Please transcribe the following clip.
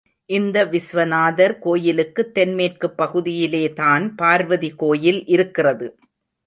இந்த விஸ்வநாதர் கோயிலுக்கு தென்மேற்குப் பகுதியிலேதான் பார்வதி கோயில் இருக்கிறது.